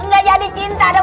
gak jadi cinta deh begini